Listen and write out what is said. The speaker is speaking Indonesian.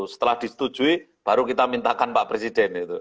setelah disetujui baru kita mintakan pak presiden